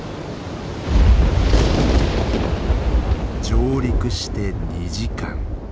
上陸して２時間。